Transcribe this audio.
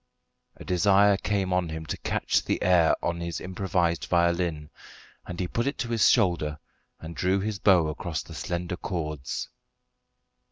A desire came on him to catch the air on his improvised violin, and he put it to his shoulder and drew his bow across the slender cords.